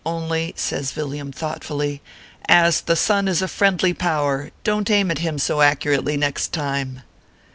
Only," says Villiam, thoughtfully, "as the sun is a friendly power, don t aim at him so accurately next time."